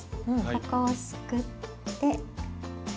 ここをすくって。